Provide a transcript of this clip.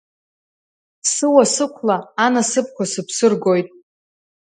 Сыуа-сықәла, анасыԥқәа сыԥсы ргоит.